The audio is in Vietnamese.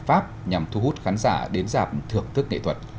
pháp nhằm thu hút khán giả đến giảm thưởng thức nghệ thuật